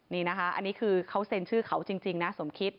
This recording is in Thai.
นี่นะคะอันนี้คือเขาเซ็นชื่อเขาจริงนะสมคิด